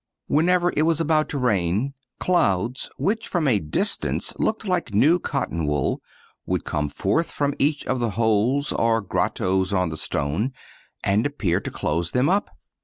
Whenever it was about to rain, clouds^ which from a dis tance looked like new cottonwool, would come forth from each of the holes or grottoes on the stone, and appear to close them up.